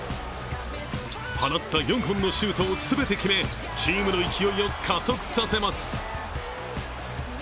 放った４本のシュートを全て決めチームの勢いを加速させます。